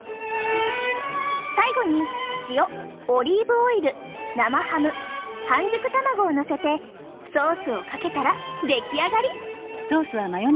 最後に塩オリーブオイル生ハム半熟卵をのせてソースをかけたら出来上がり。